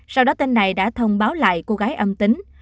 sau đó tên này đã thông báo lại cô gái âm tính